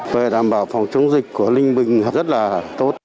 về đảm bảo phòng chống dịch của ninh bình rất là tốt